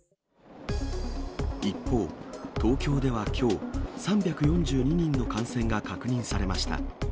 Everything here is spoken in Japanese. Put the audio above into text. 一方、東京ではきょう、３４２人の感染が確認されました。